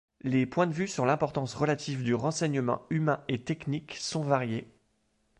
Les points de vue sur l'importance relative du renseignement humain et technique sont variés.